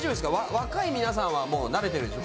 若い皆さんはもう慣れてるでしょ？